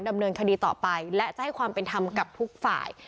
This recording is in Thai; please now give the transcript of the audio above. ดำเนินคดีต่อไปและจะให้ความเป็นธรรมกับทุกฝ่าย